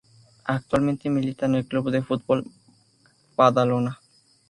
Actualmente milita en el Club de Fútbol Badalona.